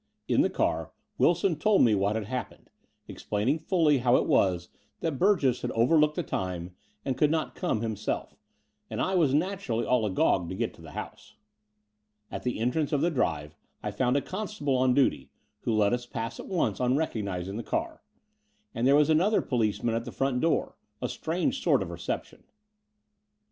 In the car Wilson told me what had happened, explaining fully how it was that Burgess had over looked the time and could not come himself: and I was naturally all agog to get to the house. At the entrance of the drive I found a constable on duty, who let us pass at once on recognizing the car; and there was another policeman at the front door — a. strange sort of reception.